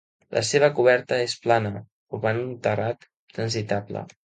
La seva coberta és plana formant un terrat transitable.